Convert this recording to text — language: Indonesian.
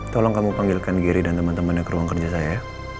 tolong kamu panggilkan gery dan teman temannya ke ruang kerja saya